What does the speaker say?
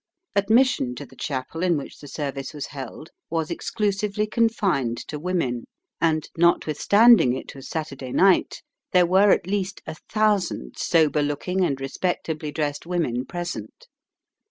Admission to the chapel in which the service was held was exclusively confined to women, and, notwithstanding it was Saturday night, there were at least a thousand sober looking and respectably dressed women present.